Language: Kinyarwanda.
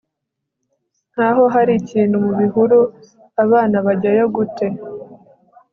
nkaho hari ikintu mubihuru abana bajyayo gute